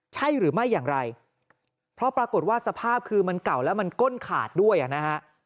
ใช่หรือไม่อย่างไรเพราะปรากฏว่าสภาพคือมันเก่าแล้วมันก้นขาดด้วยอ่ะนะฮะ